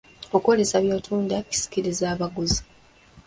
Okwolesa by'otunda kisikiriza abaguzi.